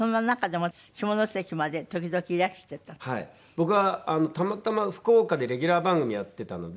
僕はたまたま福岡でレギュラー番組やってたので。